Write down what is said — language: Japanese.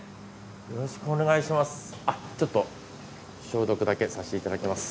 よろしくお願いします。